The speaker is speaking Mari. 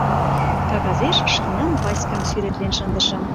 Кагазеш шкенан Васькам сӱретлен шындышым.